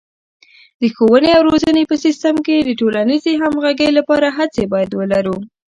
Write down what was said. د ښوونې او روزنې په سیستم کې د ټولنیزې همغږۍ لپاره هڅې باید ولرو.